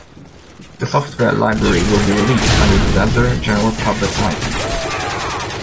The software library will be released under the Lesser General Public License.